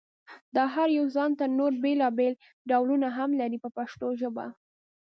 دا هر یو ځانته نور بېل بېل ډولونه هم لري په پښتو ژبه.